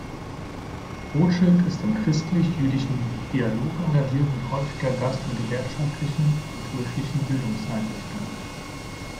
Rothschild ist im christlich-jüdischen Dialog engagiert und häufiger Gast in gewerkschaftlichen und kirchlichen Bildungseinrichtungen.